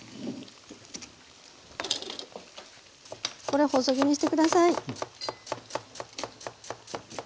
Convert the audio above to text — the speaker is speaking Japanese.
これ細切りにして下さい。